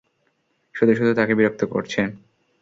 শুধু শুধু তাকে বিরক্ত করছেন।